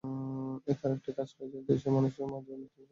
এতে আরেকটি কাজ হয়েছে যে, দেশের মানুষের মাঝে আত্মবিশ্বাস ফিরে এসেছে।